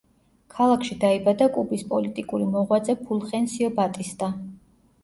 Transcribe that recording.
ქალაქში დაიბადა კუბის პოლიტიკური მოღვაწე ფულხენსიო ბატისტა.